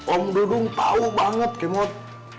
om dudung tahu banget kemot